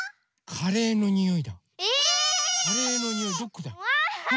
⁉カレーのにおいどこだ？